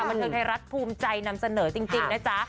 บันเทิงไทยรัฐภูมิใจนำเสนอจริงนะจ๊ะ